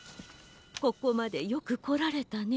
「ここまでよくこられたね。